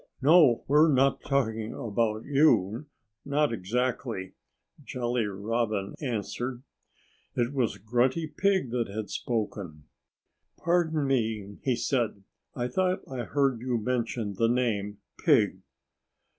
No! We're not talking about you not exactly!" Jolly Robin answered. It was Grunty Pig that had spoken. "Pardon me!" he said. "I thought I heard you mention the name, 'Pig'."